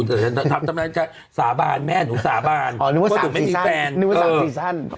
แต่ฉันทำสามนิ้วชูสาบานแม่หนูสาบานอ๋อนึกว่าสามซีสันนึกว่าสามซีสัน